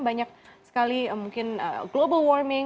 banyak sekali mungkin global warming